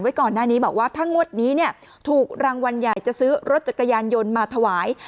ก่อนหน้านี้บอกว่าถ้างวดนี้เนี่ยถูกรางวัลใหญ่จะซื้อรถจักรยานยนต์มาถวาย